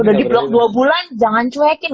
udah di blok dua bulan jangan cuekin